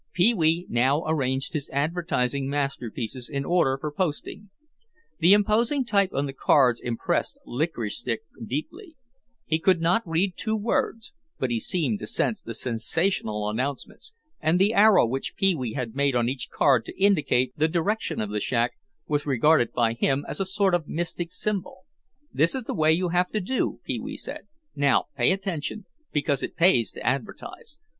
Pee wee now arranged his advertising masterpieces in order for posting. The imposing type on the cards impressed Licorice Stick deeply. He could not read two words but he seemed to sense the sensational announcements, and the arrow which Pee wee had made on each card to indicate the direction of the shack was regarded by him as a sort of mystic symbol. "This is the way you have to do," Pee wee said; "now pay attention, because it pays to advertise.